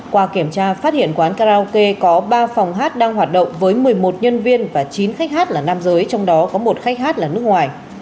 qua kiểm tra phát hiện quán karaoke có ba phòng hát đang hoạt động với một mươi một nhân viên và chín khách hát là nam giới trong đó có một khách hát là nước ngoài